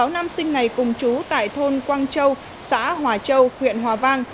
sáu nam sinh này cùng chú tại thôn quang châu xã hòa châu huyện hòa vang